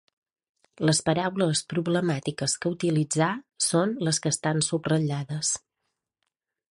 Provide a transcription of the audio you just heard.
Les paraules problemàtiques que utilitzà són les que estan subratllades.